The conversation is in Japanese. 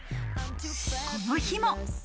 この日も。